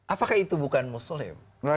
apakah itu bukan muslim